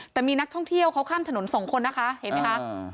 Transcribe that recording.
แต่มีนักท่องเที่ยวเขาข้ามถนนสองคนนะคะเห็นไหมคะ